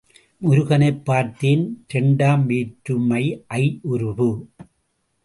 முருகனைப் பார்த்தேன் இரண்டாம் வேற்றுமை ஐ உருபு.